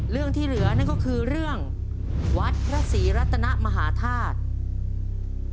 เรื่องที่เหลือนั่นก็คือเรื่องวัดพระศรีรัตนมหาธาตุ